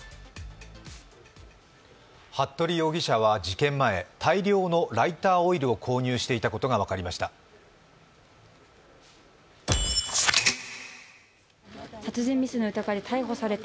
服部容疑者は事件前、大量のライターオイルを購入していたことが分かりました。